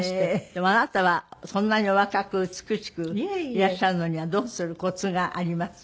でもあなたはそんなにお若く美しくいらっしゃるのにはどうするコツがあります？